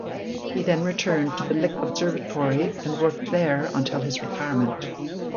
He then returned to the Lick Observatory and worked there until his retirement.